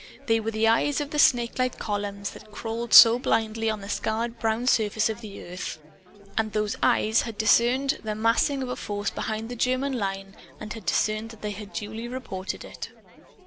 They were the eyes of the snakelike columns that crawled so blindly on the scarred brown surface of the earth. And those "eyes" had discerned the massing of a force behind the German line had discerned and had duly reported it.